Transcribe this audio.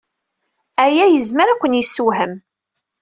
Aya yezmer ad ken-yessewhem.